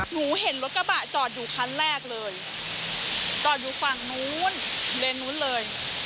เห็นรถกระบะจอดอยู่คันแรกเลยจอดอยู่ฝั่งนู้นเลนนู้นเลย